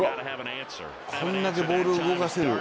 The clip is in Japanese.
こんだけボールを動かせる。